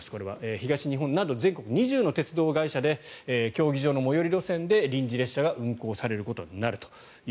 東日本など全国２０の鉄道会社で競技場の最寄り路線で臨時列車が運行されることになると。